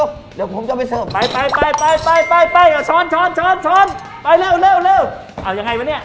เอายังไงบะเนี่ย